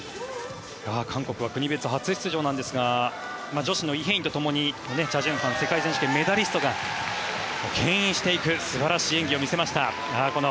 韓国は国別初出場なんですが女子のイ・ヘインと共にチャ・ジュンファン世界選手権メダリストがけん引してく素晴らしい演技を見せました。